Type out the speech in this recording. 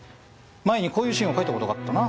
前にこういうシーンを書いたことがあったな。